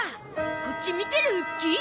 こっち見てるウッキー。